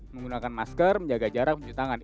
menggunakan masker menjaga jarak mencuci tangan